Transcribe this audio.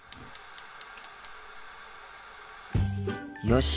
よし。